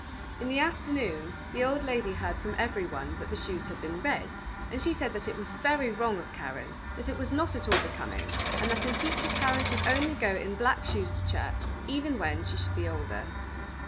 In the afternoon, the old lady heard from everyone that the shoes had been red, and she said that it was very wrong of Karen, that it was not at all becoming, and that in future Karen should only go in black shoes to church, even when she should be older.